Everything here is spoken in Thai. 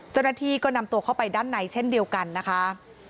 เจ้าหน้าที่ก็นำตัวเข้าไปด้านในเช่นเดียวกันนะคะ